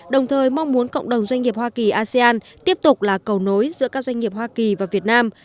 đồng thời mong muốn cộng đồng doanh nghiệp hoa kỳ asean tiếp tục là cầu nối giữa các doanh nghiệp hoa kỳ và việt nam